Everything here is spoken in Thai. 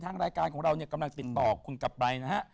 ทางรายการของเรากำลังติดปลอกคุณกับบรัยนะฮะ